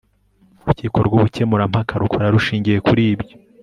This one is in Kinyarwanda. urukiko rw ubukemurampaka rukora rushingiye kuri ibyo